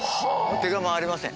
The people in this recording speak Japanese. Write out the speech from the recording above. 手が回りません。